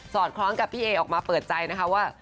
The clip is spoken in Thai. คล้องกับพี่เอออกมาเปิดใจนะคะว่า